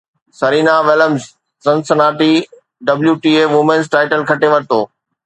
Serena Williams Cincinnati WTA women's title کٽي ورتو